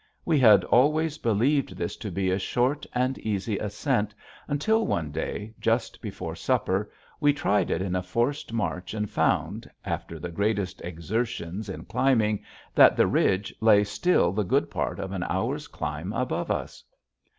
We had always believed this to be a short and easy ascent until one day just before supper we tried it in a forced march and found, after the greatest exertions in climbing, that the ridge lay still the good part of an hour's climb above us.